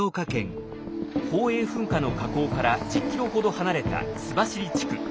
宝永噴火の火口から１０ｋｍほど離れた須走地区。